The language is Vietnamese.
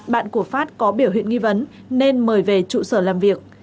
bạn của phát có biểu hiện nghi vấn nên mời về trụ sở làm việc